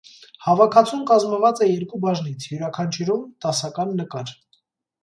Հավաքածուն կազմված է երկու բաժնից, յուրաքանչյուրում՝ տասական նկար։